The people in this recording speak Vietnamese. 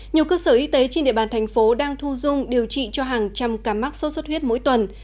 nhiều cơ sở y tế trên địa bàn thành phố đang thu dung điều trị cho hàng trăm ca mắc sốt xuất huyết mỗi tuần